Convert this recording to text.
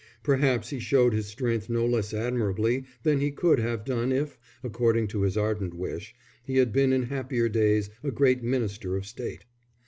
Perhaps he showed his strength no less admirably than he could have done if, according to his ardent wish, he had been in happier days a great minister of state.